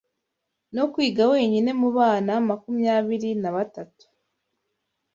No kwiga wenyine mubana makumyabiri na batatu